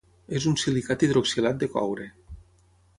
És un silicat hidroxilat de coure.